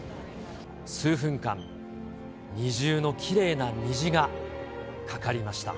数分間、二重のきれいな虹がかかりました。